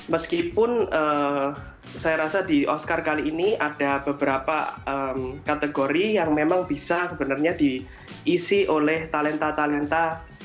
meskipun saya rasa di oscar kali ini ada beberapa kategori yang memang bisa sebenarnya diisi oleh talenta talenta